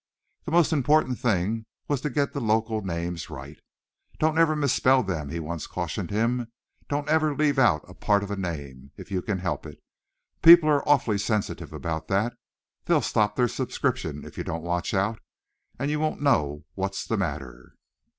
The most important thing was to get the local names right. "Don't ever misspell them," he once cautioned him. "Don't ever leave out a part of a name if you can help it. People are awfully sensitive about that. They'll stop their subscription if you don't watch out, and you won't know what's the matter."